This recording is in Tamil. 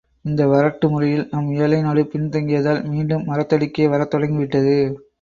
இந்த வறட்டு முறையில் நம் ஏழை நாடு பின் தங்கியதால் மீண்டும் மரத்தடிக்கே வரத் தொடங்கிவிட்டது.